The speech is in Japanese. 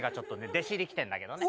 弟子入り来てんだけどね。